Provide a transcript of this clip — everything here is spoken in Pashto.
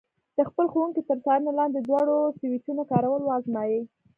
د خپل ښوونکي تر څارنې لاندې د دواړو سویچونو کارول وازمایئ.